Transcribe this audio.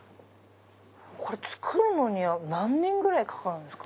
これ作るのには何年くらいかかるんですか？